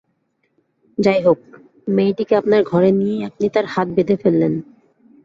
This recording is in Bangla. যাই হোক, মেয়েটিকে আপনার ঘরে নিয়েই আপনি তার হাত বেঁধে ফেললেন।